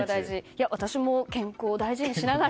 私も健康を大事にしながら。